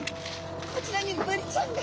こちらにブリちゃんが！